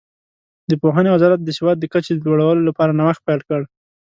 د پوهنې وزارت د سواد د کچې د لوړولو لپاره نوښت پیل کړ.